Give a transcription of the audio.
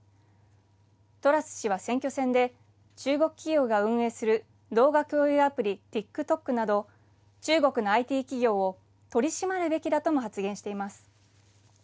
トラス氏は選挙戦で中国企業が運営する動画共有アプリＴｉｋＴｏｋなど中国のＩＴ企業を取り締まるべきだとも発言しています。